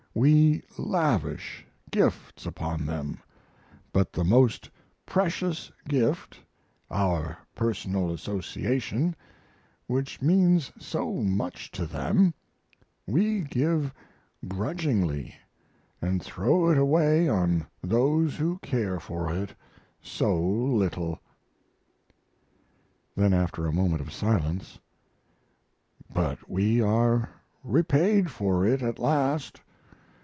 We lavish gifts upon them; but the most precious gift our personal association, which means so much to them we give grudgingly and throw it away on those who care for it so little." Then, after a moment of silence: "But we are repaid for it at last.